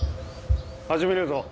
始めるぞ。